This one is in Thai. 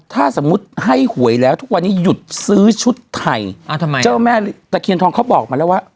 ถ้าสมมุติให้หวยแล้วทุกวันนี้หยุดซื้อชุดไทยอ่าทำไมเจ้าแม่ตะเคียนทองเขาบอกมาแล้วว่า